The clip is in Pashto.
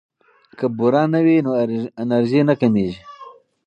که بوره وي نو انرژي نه کمیږي.